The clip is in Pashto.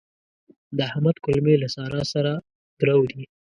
د احمد کولمې له سارا سره ګرو دي.